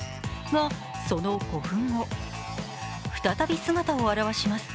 が、その５分後、再び姿を現します。